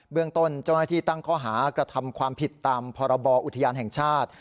เรื่องต้นเจ้าหน้าที่ตั้งข้อหากระทำความผิดตามพรบอุทยานแห่งชาติ